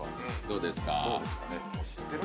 どうですかね？